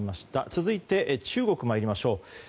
続いて中国、参りましょう。